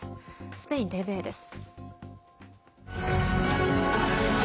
スペインＴＶＥです。